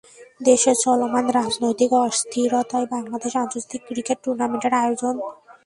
দেশের চলমান রাজনৈতিক অস্থিরতায় বাংলাদেশে আন্তর্জাতিক ক্রিকেট টুর্নামেন্টের আয়োজন নিয়ে দুশ্চিন্তা আছে।